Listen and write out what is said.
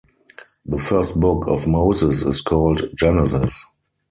The First Book of Moses is called Genesis.